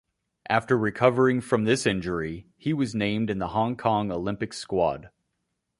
After recovering from this injury, he was named in the Hong Kong Olympic squad.